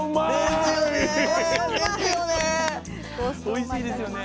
おいしいですよね。